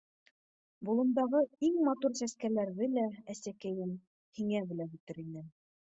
Болондағы иң матур сәскәләрҙе лә, әсәкәйем, һиңә бүләк итер инем.